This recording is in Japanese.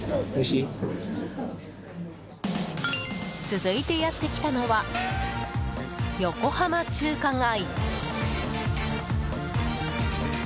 続いてやってきたのは横浜中華街。